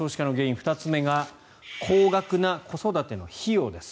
２つ目が高額な子育ての費用です。